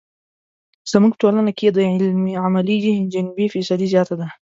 زموږ په ټولنه کې یې د عملي جنبې فیصدي زیاته ده.